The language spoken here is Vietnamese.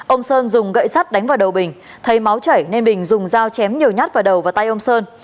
ông sơn dùng gậy sắt đánh vào đầu bình thấy máu chảy nên bình dùng dao chém nhiều nhát vào đầu và tay ông sơn